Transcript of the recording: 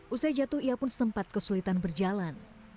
usai jatuh ia pun sempat kesulitan berjalan